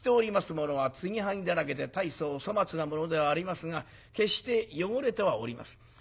ものは継ぎはぎだらけで大層粗末なものではありますが決して汚れてはおりません。